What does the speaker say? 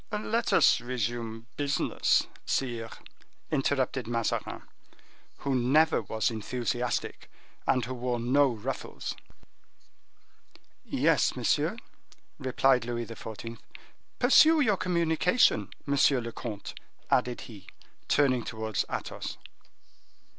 "Let us resume business, sire," interrupted Mazarin, who never was enthusiastic, and who wore no ruffles. "Yes, monsieur," replied Louis XIV. "Pursue your communication, monsieur le comte," added he, turning towards Athos.